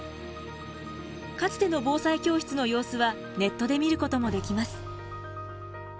かつての防災教室の様子はネットで見ることもできます。